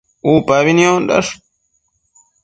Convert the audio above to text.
Upabi niondash